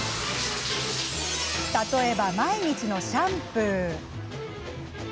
例えば、毎日のシャンプー。